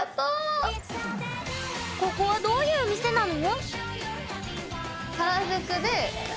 ここはどういう店なの？